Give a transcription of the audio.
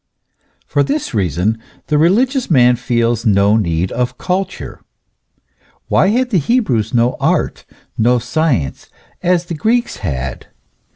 For this reason the religious man feels no need of culture. Why had the Hebrews no art, no science, as the Greeks had